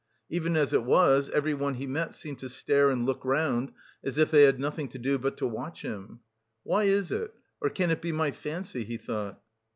Even as it was, everyone he met seemed to stare and look round, as if they had nothing to do but to watch him. "Why is it, or can it be my fancy?" he thought.